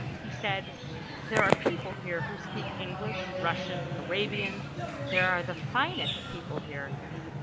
He said: "There are people here who speak English, Russian, Arabian. There are the finest people here!